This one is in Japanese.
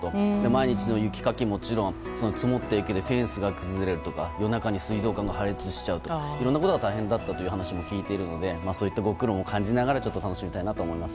毎日の雪かきはもちろん積もった雪でフェンスが崩れるとか水道管が破裂したりとかいろんなことが大変だったという話も聞いているのでそういったご苦労も感じながら楽しみたいなと。